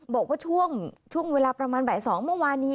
บอกว่าช่วงเวลาประมาณบ่าย๒เมื่อวานนี้